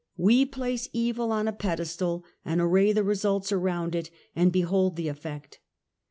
We place evil on a pedestal, and array the results around it and behold the eftect.